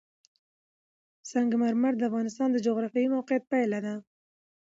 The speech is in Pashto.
سنگ مرمر د افغانستان د جغرافیایي موقیعت پایله ده.